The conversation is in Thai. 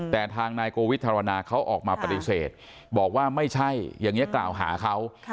แต่ทางนายโกวิทธรณาเขาออกมาปฏิเสธบอกว่าไม่ใช่อย่างนี้กล่าวหาเขา